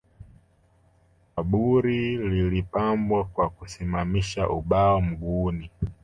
Kaburi lilipambwa kwa kusimamisha ubao mguuni